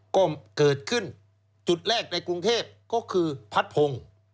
ก็เกิดขึ้นจุดแรกในกรุงเทพก็คือพัดพงศ์